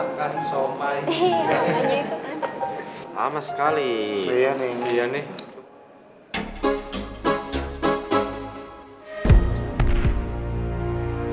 tidak ada yang tahu